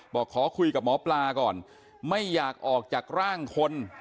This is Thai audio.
บอกขอคุยกับหมอปลาก่อนไม่อยากออกจากร่างคน